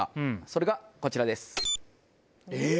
それがこちらです。